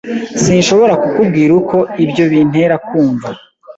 Sinshobora kukubwira uko ibyo bintera kumva.